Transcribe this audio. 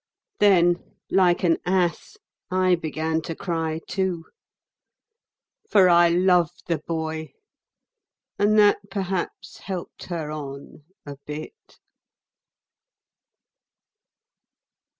Then, like an ass, I began to cry, too; for I loved the boy, and that perhaps helped her on a bit.